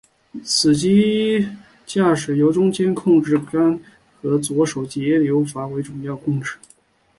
此机驾驶由中间控制杆和左手节流阀为主要控制。